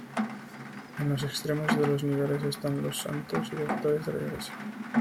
En los extremos de los niveles están los santos y doctores de la Iglesia.